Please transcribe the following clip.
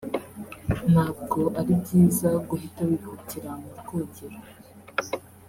ntabwo ari byiza guhita wihutira mu rwogero